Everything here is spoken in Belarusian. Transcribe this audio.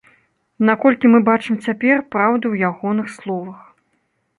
Наколькі мы бачым цяпер праўду ў ягоных словах.